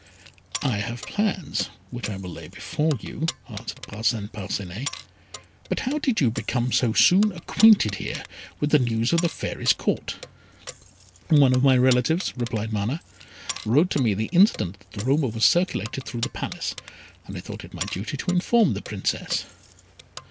"I have plans which I will lay before you," answered Parcin Parcinet; "but how did you become so soon acquainted here with the news of the Fairy's Court?" "One of my relatives," replied Mana, "wrote to me the instant that the rumour was circulated through the Palace, and I thought it my duty to inform the Princess."